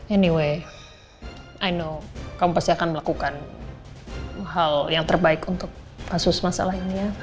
anyway i know kamu pasti akan melakukan hal yang terbaik untuk kasus masa lainnya